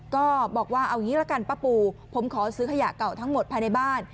ก็บอกว่าเอางี้ละกันป้าปูผมขอซื้อขยะเก่าทั้งหมดภายในบ้าน